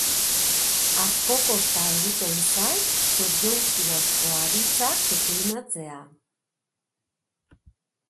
Asko kosta egiten zait subjunktibozko aditzak deklinatzea.